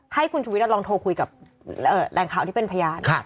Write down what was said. ให้คุณชุวิตลองโทรคุยกับแหล่งข่าวที่เป็นพยาน